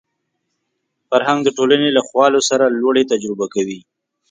فرهنګ د ټولنې له خوالو سره لوړې تجربه کوي